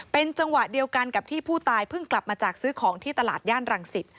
เป็นจังหวะเดียวกันกับที่ผู้ตายเพิ่งกลับมาจากซื้อของที่ตลาดย่านรังสิต